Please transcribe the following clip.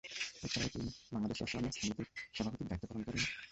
এছাড়া তিনি বাংলাদেশ রসায়ন সমিতির সভাপতির দায়িত্ব পালন করেন।